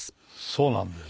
そうなんです。